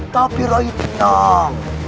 tapi rai tenang